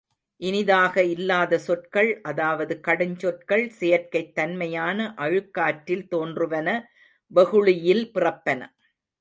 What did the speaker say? இனிதாக இல்லாத சொற்கள் அதாவது கடுஞ்சொற்கள் செயற்கைத் தன்மையன அழுக்காற்றில் தோன்றுவன வெகுளியில் பிறப்பன.